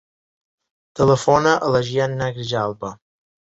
Telefona a la Gianna Grijalba.